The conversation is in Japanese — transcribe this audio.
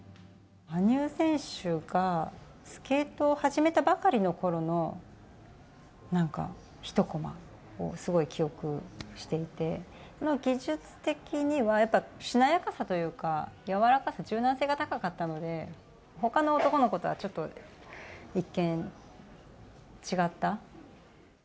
羽生選手がスケートを始めたばかりのころのなんか一こまをすごい記憶をしていて、技術的には、やっぱしなやかさというか、柔らかさ、柔軟性が高かったので、ほかの男の子とはちょっと一見、違った。